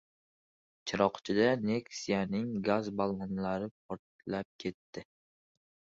Chiroqchida "Nexia"ning gaz balloni portlab ketdi